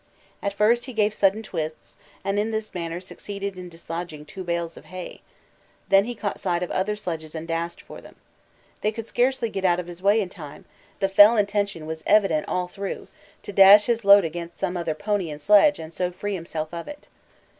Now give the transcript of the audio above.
At first he gave sudden twists, and in this manner succeeded in dislodging two bales of hay; then he caught sight of other sledges and dashed for them. They could scarcely get out of his way in time; the fell intention was evident all through, to dash his load against some other pony and sledge and so free himself of it.